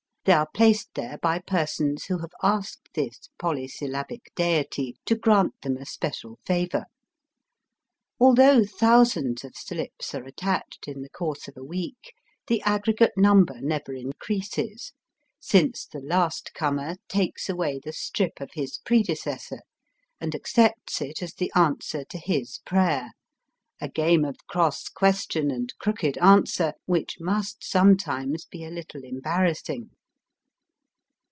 They are placed there by persons who have asked this polysyllabic deity to grant them a special favour. Although thou sands of slips are attached in the course of a week, the aggregate number never increases, since the last comer takes away the strip of his predecessor and accepts it as the answer to his prayer, a game of cross question and crooked answer which must sometimes be a little embarrassing.